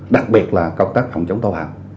đặc biệt là công tác không chống tàu hạng